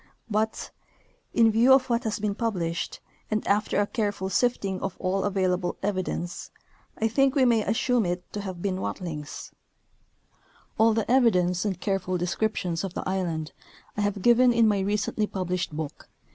But, in view of what has been published, and after a careful sifting of all available evidence. I think we may assume it to Tlie Landfall of Colambas. 189 have been Watlings. All the evidence, and careful descriptions of the island, I have given in my recently published book.